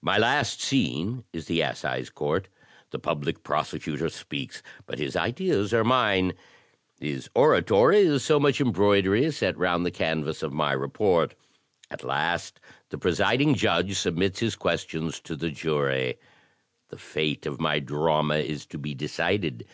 My last scene is the assize court. The public prosecutor speaks, but his ideas are mine. His oratory is so much embroidery set round the canvas of my report. At last the presid ing judge submits his questions to the jury; the fate of my drama is to be decided.